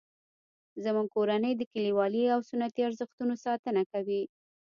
زموږ کورنۍ د کلیوالي او سنتي ارزښتونو ساتنه کوي